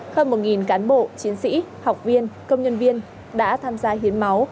hơn một cán bộ chiến sĩ học viên công nhân viên đã tham gia hiến máu